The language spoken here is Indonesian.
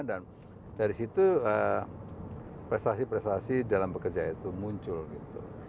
dan dari situ prestasi prestasi dalam bekerja itu muncul gitu